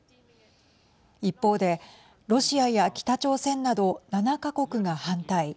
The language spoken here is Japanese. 一方でロシアや北朝鮮など７か国が反対